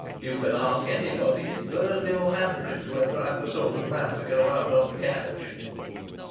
"You can ask anybody in Bursley or Hanbridge whether I'm the sort of man to go out on the cadge."